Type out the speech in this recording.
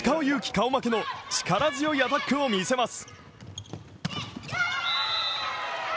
顔負けの力強いアタックを見せます。